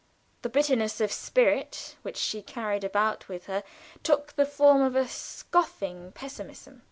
The bitterness of spirit which she carried about with her took the form of a scoffing pessimism.